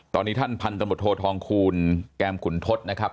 ตอนนี้ท่านพันธมตรธคูณกุลอะแก้มขุนทศนะครับ